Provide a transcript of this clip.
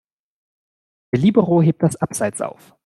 Der Libero hebt das Abseits auf.